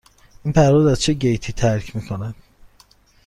این پرواز از چه گیتی ترک می کند؟